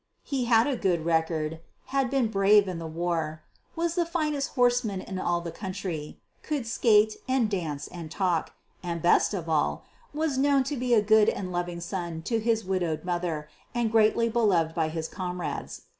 He had a good record, had been brave in the war, was the finest horseman in all the country, could skate and dance and talk, and, best of all, was known to be a good and loving son to his widowed mother, and greatly beloved by his comrades.